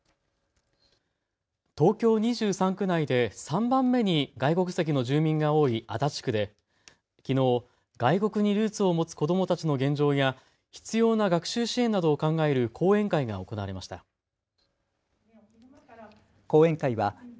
東京２３区内で３番目に外国籍の住民が多い足立区できのう外国にルーツを持つ子どもたちの現状や必要な学習支援などを考える講演会が行われました。